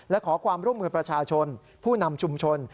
และขอความร่วมมือประชาชนผู้นำชุมชน